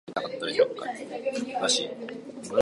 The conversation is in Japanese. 神奈川県横須賀市